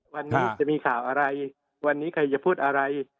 วันนี้จะมีข่าวอะไรวันนี้ใครจะพูดอะไร